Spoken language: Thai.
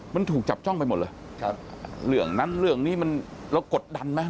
มันถูกจับจ้องไปหมดเลยครับเรื่องนั้นเรื่องนี้มันเรากดดันไหม